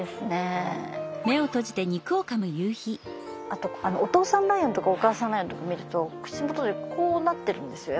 あとあのお父さんライオンとかお母さんライオンとか見ると口元でこうなってるんですよ